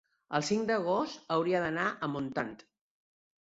El cinc d'agost hauria d'anar a Montant.